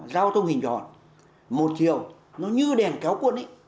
giao thông hình tròn một chiều nó như đèn kéo quân ấy